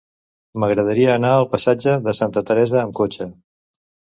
M'agradaria anar al passatge de Santa Teresa amb cotxe.